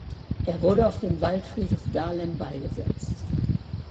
Er wurde auf dem Waldfriedhof Dahlem beigesetzt.